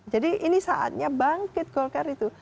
jadi ini saatnya bangkit golkar itu